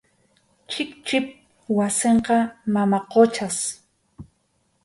Chikchip wasinqa mama Quchas.